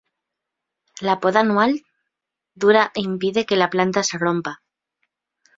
La poda anual dura impide que la planta se rompa.